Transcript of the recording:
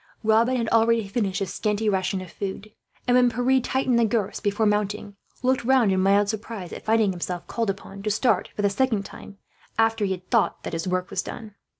Robin had already finished his scanty ration of food and, when Pierre tightened the girths before mounting, looked round in mild surprise at finding himself called upon to start, for the second time, after he had thought that his work was done.